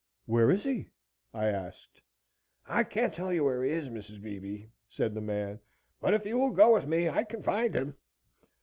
"Where is he?" I asked. "I can't tell you where he is, Mrs. Beebe," said the man, "but if you will go with me I can find him."